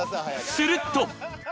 すると。